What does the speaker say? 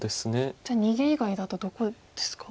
じゃあ逃げ以外だとどこですか？